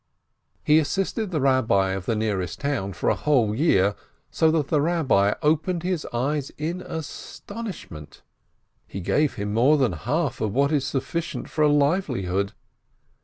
He assisted the Eabbi of the nearest town for a whole year, so that the Eabbi opened his eyes in astonishment. He gave him more than half of what is sufficient for a livelihood.